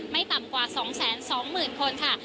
ไม่ต่ำกว่า๒๒๐๐๐คนค่ะ